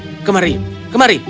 ayo kemari kemari